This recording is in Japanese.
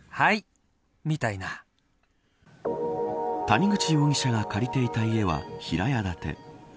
谷口容疑者が借りていた家は平屋建て。